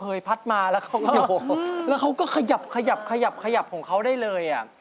เผยพัดมาแล้วเขาก็ขยับขยับขยับขยับของเขาได้เลย